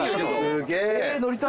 すげえ。